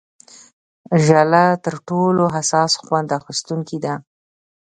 ژله تر ټولو حساس خوند اخیستونکې ده.